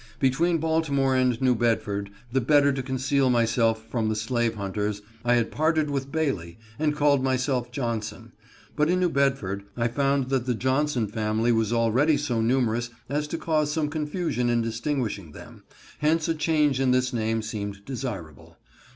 Between Baltimore and New Bedford, the better to conceal myself from the slave hunters, I had parted with Bailey and called myself Johnson; but in New Bedford I found that the Johnson family was already so numerous as to cause some confusion in distinguishing them, hence a change in this name seemed desirable.